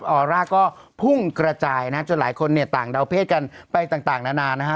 ออร่าก็พุ่งกระจายนะจนหลายคนเนี่ยต่างเดาเพศกันไปต่างนานานะฮะ